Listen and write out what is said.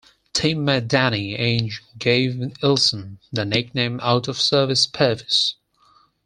Teammate Danny Ainge gave Ellison the nickname Out of Service Pervis.